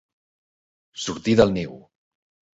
Sortir del niu.